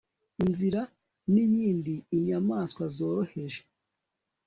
inzira n'iyindi. inyamaswa zoroheje